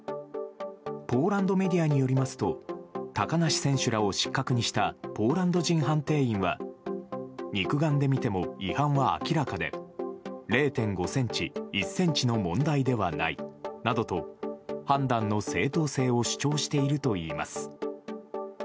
ポーランドメディアによりますと、高梨選手らを失格にしたポーランド人判定員は、肉眼で見ても違反は明らかで、０．５センチ、１センチの問題ではないなどと、判断の正当性を主張しているといいます。